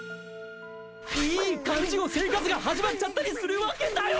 イイ感じの生活が始まっちゃったりするわけだよ！